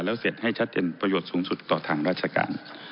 แล้วเสร็จให้ชัดเจนประโยชน์สูงสุดต่อทางราชการ